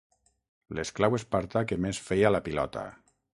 L'esclau espartà que més feia la pilota.